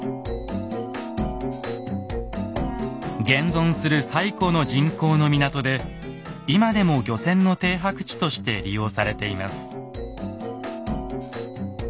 現存する最古の人工の港で今でも漁船の停泊地として利用されています。